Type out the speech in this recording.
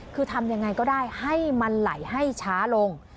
คือทำยังไงก็ได้ให้มันไหลให้ช้าลง